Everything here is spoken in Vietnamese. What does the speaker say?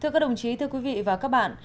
thưa các đồng chí thưa quý vị và các bạn